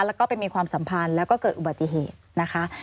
แล้วก็ไปมีความสัมพันธ์แล้วก็เกิดอุบัติเหตุนะคะ